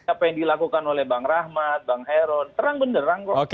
apa yang dilakukan oleh bang rahmat bang heron terang benderang kok